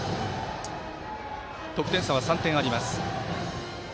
得点差は３点あります。